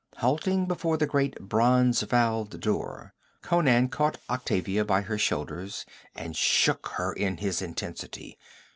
Halting before the great bronze valved door, Conan caught Octavia by her shoulders and shook her in his intensity.